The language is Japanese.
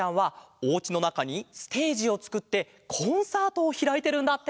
おうちのなかにステージをつくってコンサートをひらいてるんだって！